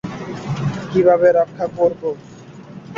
কীভাবে রক্ষা করবো?